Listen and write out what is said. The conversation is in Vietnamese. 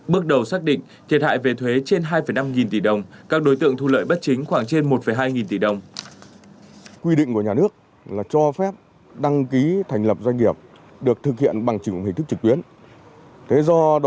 bước đầu xác định thiệt hại về thuế trên hai năm tỷ đồng